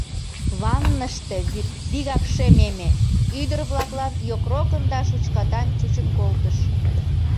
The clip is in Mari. Ванныште вӱд вигак шемеме, ӱдыр-влаклан йокрокын да шучкатан чучын колтыш.